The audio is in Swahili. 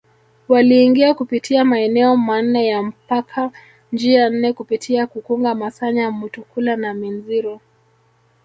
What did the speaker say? Waliingia kupitia maeneo manne ya mpaka njia nne kupitia Kukunga Masanya Mutukula na Minziro